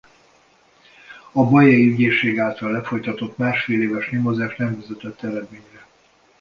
A bajai ügyészség által lefolytatott másfél éves nyomozás nem vezetett eredményre.